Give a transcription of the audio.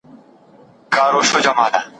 اداري فساد د اقتصادي پرمختګ مخه نيسي.